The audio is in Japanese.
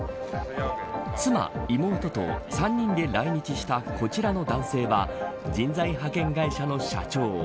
妻、妹と３人で来日したこちらの男性は人材派遣会社の社長。